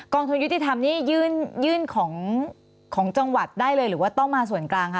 ทุนยุติธรรมนี่ยื่นของจังหวัดได้เลยหรือว่าต้องมาส่วนกลางคะ